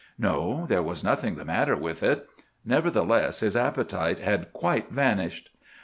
No, there was nothing the matter with it. Nevertheless, his appetite had quite vanished.